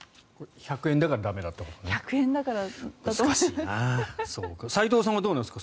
１００円だから駄目だったんですかね。